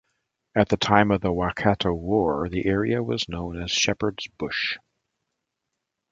At the time of the Waikato War, the area was known as Sheppards Bush.